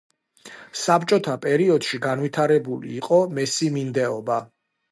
საბჭოთა პერიოდში განვითარებული იყო მესიმინდეობა.